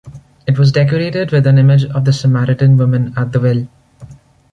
It was decorated with an image of the Samaritan woman at the well.